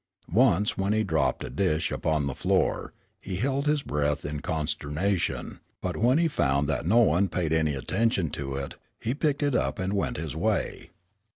Once when he dropped a dish upon the floor, he held his breath in consternation, but when he found that no one paid any attention to it, he picked it up and went his way.